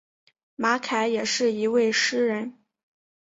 马凯也是一位诗人。